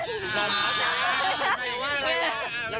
อ่าทำไมว่ะ